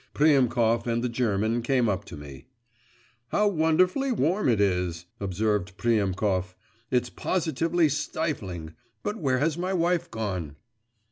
Priemkov and the German came up to me. 'How wonderfully warm it is!' observed Priemkov; 'it's positively stifling. But where has my wife gone?